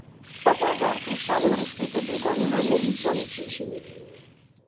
په بازار کې څلور شپېته دوکانونه نوي پرانیستل شوي دي.